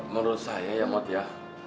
menurut saya ya mut ya